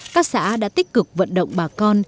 các xã đã tích cực vận động bà con